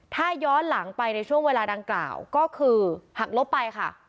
ถ้าย้อนหลังไปในช่วงเวลาดังกล่าวก็คือหักลบไปค่ะ